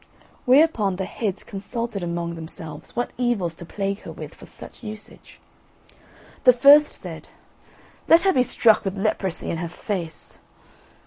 Whereupon the heads consulted among themselves what evils to plague her with for such usage. The first said: "Let her be struck with leprosy in her face."